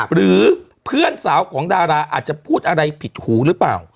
หรือเพื่อนสาวของดาราอาจจะพูดอะไรผิดหูหรือเปล่า